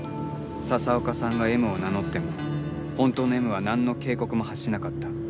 笹岡さんがＭを名乗っても本当のＭは何の警告も発しなかった